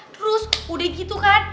terus udah gitu kan